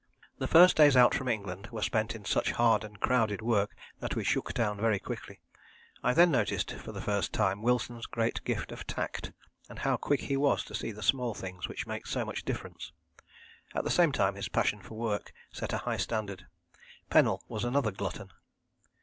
The first days out from England were spent in such hard and crowded work that we shook down very quickly. I then noticed for the first time Wilson's great gift of tact, and how quick he was to see the small things which make so much difference. At the same time his passion for work set a high standard. Pennell was another glutton.